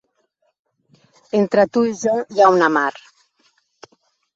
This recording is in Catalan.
Entre tu i jo hi ha una mar.